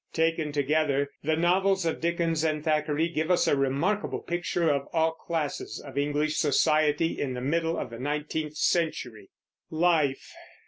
Taken together, the novels of Dickens and Thackeray give us a remarkable picture of all classes of English society in the middle of the nineteenth century. LIFE.